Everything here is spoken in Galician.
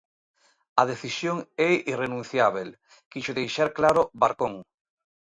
A decisión é irrenunciábel, quixo deixar claro Barcón.